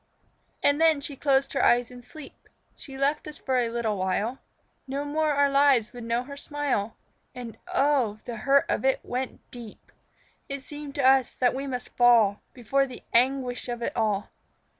And then she closed her eyes in sleep; She left us for a little while; No more our lives would know her smile. And oh, the hurt of it went deep! It seemed to us that we must fall Before the anguish of it all.